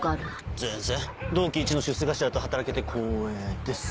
全然同期一の出世頭と働けて光栄です。